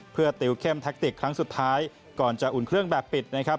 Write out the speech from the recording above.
เพื่อติวเข้มแท็กติกครั้งสุดท้ายก่อนจะอุ่นเครื่องแบบปิดนะครับ